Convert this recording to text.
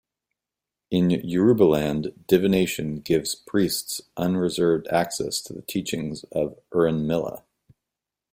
In Yorubaland, divination gives priests unreserved access to the teachings of Orunmila.